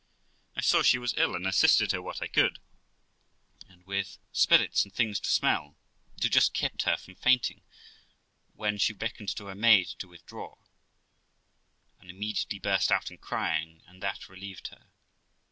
I saw she was ill, and assisted her what I could, and with spirits and things to smell to just kept her from fainting, when she beckoned to her maid to withdraw, and immediately burst out in crying, and that relieved her.